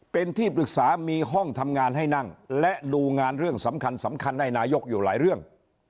เป็นที่ปรึกษามีห้องทำงานให้นั่งและดูงานเรื่องสำคัญสำคัญให้นายกอยู่หลายเรื่อง